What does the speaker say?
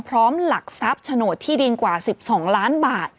หลักทรัพย์โฉนดที่ดินกว่า๑๒ล้านบาท